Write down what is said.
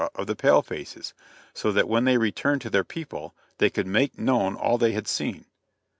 of the pale faces, so that when they returned to their people they could make known all they had seen.